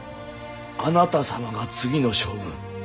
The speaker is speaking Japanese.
あなた様が次の将軍。